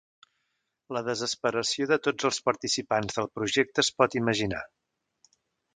La desesperació de tots els participants del projecte es pot imaginar.